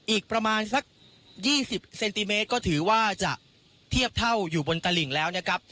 อีกประมาณสัก๒๐เซนติเมตรก็ถือว่าจะเทียบเท่าอยู่บนตลิ่งแล้วนะครับ